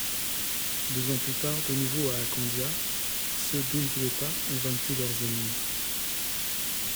Deux ans plus tard, de nouveau à Akondia, ceux d'Unzueta ont vaincu leurs ennemis.